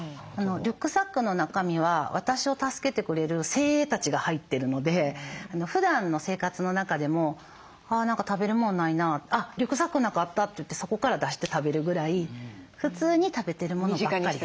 リュックサックの中身は私を助けてくれる精鋭たちが入ってるのでふだんの生活の中でも「何か食べるもんないなあっリュックサックの中あった」といってそこから出して食べるぐらい普通に食べてるものばっかりです。